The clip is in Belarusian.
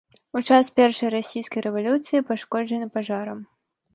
У час першай расійскай рэвалюцыі пашкоджаны пажарам.